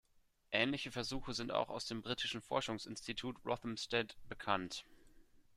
Ähnliche Versuche sind auch aus dem britischen Forschungsinstitut Rothamsted bekannt.